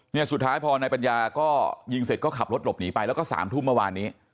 เนี่ยสุดท้ายพอนายปัญญาก็ยิงเสร็จก็ขับรถหลบหนีไปแล้วก็สามทุ่มเมื่อวานนี้